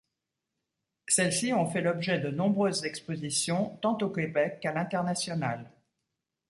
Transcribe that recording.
Celles-ci ont fait l'objet de nombreuses expositions tant au Québec qu'à l'international.